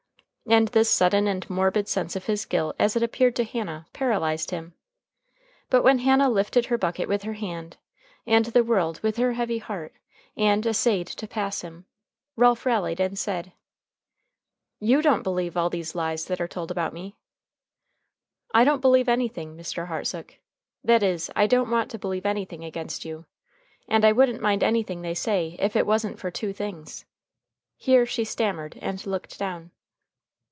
And this sudden and morbid sense of his guilt as it appeared to Hannah paralyzed him. But when Hannah lifted her bucket with her hand, and the world with her heavy heart, and essayed to pass him, Ralph rallied and said: "You don't believe all these lies that are told about me." "I don't believe anything, Mr. Hartsook; that is, I don't want to believe anything against you. And I wouldn't mind anything they say if it wasn't for two things" here she stammered and looked down.